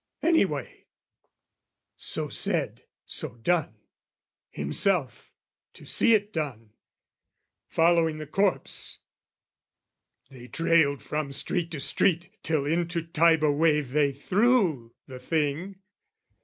Anyway, "So said, so done: himself, to see it done, "Following the corpse, they trailed from street to street "Till into Tiber wave they threw the thing.